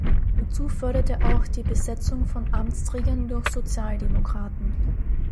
Dazu förderte er auch die Besetzung von Amtsträgern durch Sozialdemokraten.